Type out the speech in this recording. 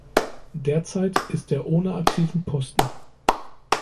Derzeit ist er ohne aktiven Posten.